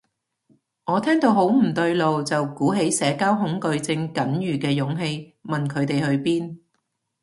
我聽到好唔對路，就鼓起社交恐懼症僅餘嘅勇氣問佢哋去邊